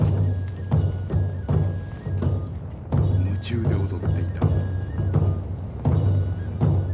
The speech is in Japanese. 夢中で踊っていた。